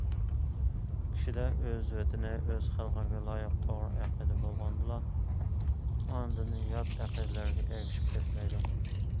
كىشىدە ئۆز ۋەتىنى، ئۆز خەلقىگە لايىق توغرا ئەقىدە بولغاندىلا، ئاندىن يات ئەقىدىلەرگە ئەگىشىپ كەتمەيدۇ.